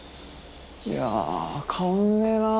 いや変わんねえなあ